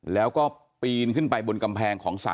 แล้วก็ปีนขึ้นไปบนกำแพง